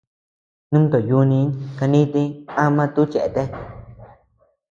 Nomtoʼö yuni kanditi ama tùù cheatea.